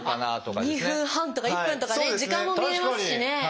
２分半とか１分とかね時間も見れますしね。